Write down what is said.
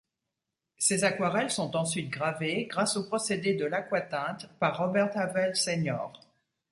Ces aquarelles sont ensuite gravées, grâce au procédé de l'aquatinte, par Robert Havell Sr.